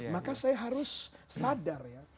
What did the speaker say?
maka saya harus sadar ya